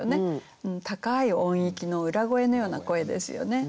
高い音域の裏声のような声ですよね。